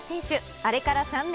あれから３年。